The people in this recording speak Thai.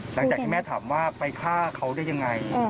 หลังจากที่แม่ถามว่าไปฆ่าเขาได้ยังไง